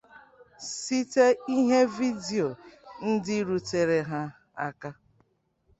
site n’ihe vidio ndị rutere ha aka